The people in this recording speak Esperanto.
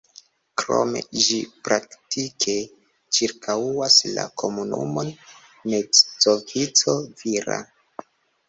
Krome ĝi praktike ĉirkaŭas la komunumon Mezzovico-Vira.